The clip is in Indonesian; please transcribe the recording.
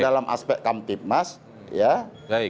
dalam aspek kamtipmas ya